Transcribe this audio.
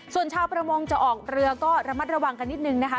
ส่วนชาวประมงจะออกเรือก็ระมัดระวังกันนิดนึงนะคะ